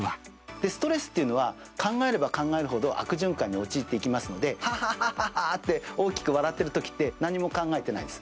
ストレスっていうのは、考えれば考えるほど悪循環に陥っていきますので、ハハハハハって、大きく笑ってるときって、何も考えてないです。